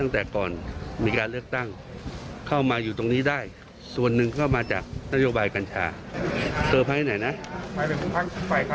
ไปเลยคุณพักฝ่ายค้าหรือพักอยู่บนโรงแรง